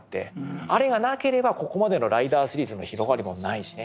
あれがなければここまでのライダーシリーズの広がりもないしね。